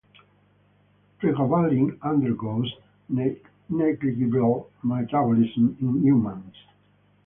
Pregabalin undergoes negligible metabolism in humans.